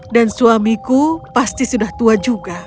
dan suamiku pasti sudah tua juga